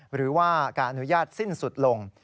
หรือว่าการอนุญาตสิ้นสุดลง